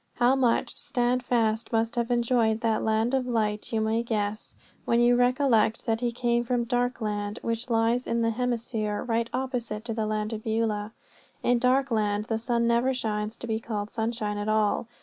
How much Standfast must have enjoyed that land of light you may guess when you recollect that he came from Darkland, which lies in the hemisphere right opposite to the land of Beulah. In Darkland the sun never shines to be called sunshine at all.